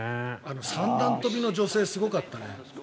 三段跳の女性すごかったね。